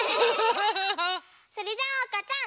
それじゃあおうかちゃん！